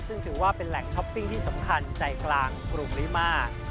ซึ่งถือว่าเป็นแหล่งช้อปปิ้งที่สำคัญใจกลางกรุงริมา